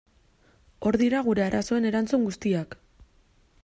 Hor dira gure arazoen erantzun guziak.